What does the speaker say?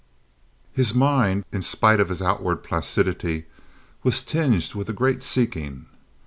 His mind, in spite of his outward placidity, was tinged with a great seeking.